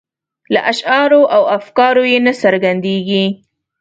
له اشعارو او افکارو یې نه څرګندیږي.